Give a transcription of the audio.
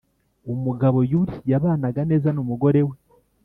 umugabo yuli yabanaga neza n'umugore we